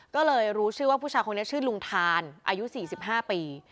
ก็เลยรู้ชื่อว่าผู้ชายคนนี้ชื่อลุงทานอายุ๔๕ปี